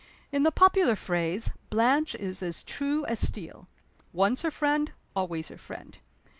In the popular phrase, Blanche is as true as steel. Once her friend, always her friend.